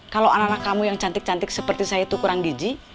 kalau anak anak kamu yang cantik cantik seperti saya itu kurang gigi